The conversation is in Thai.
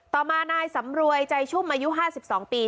ต่อมานายสำรวยใจชุ่มอายุห้าสิบสองปี